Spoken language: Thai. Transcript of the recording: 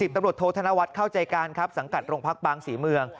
ตำรวจโทษธนวัฒน์เข้าใจการครับสังกัดโรงพักบางศรีเมือง